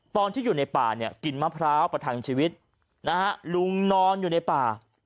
ตอนที่อยู่ในป่าเนี่ยกินมะพร้าวประทังชีวิตนะฮะลุงนอนอยู่ในป่า